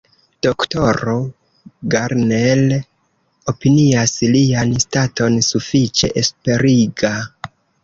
Doktoro Garner opinias lian staton sufiĉe esperiga.